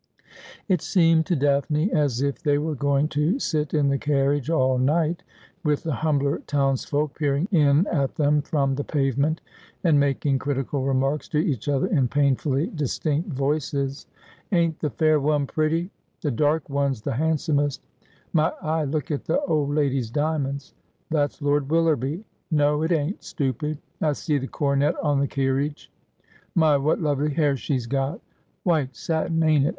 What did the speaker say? It seemed to Daphne as if they were going to sit in the carriage all night, with the humbler townsfolk peering in at them from the pavement, and making critical remarks to each other in painfully distinct voices. ' Ain't the fair one pretty ?'' The dark one's the hand somest.' ' My eye ! look at the old lady's diamonds.' ' That's Lord Willerby.' ' No, it ain't, stoopid.' ' I see the coronet on the kerridge.' ' My, what lovely hair she's got !'' White satin, ain't it